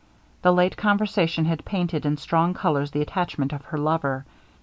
The late conversation had painted in strong colours the attachment of her lover.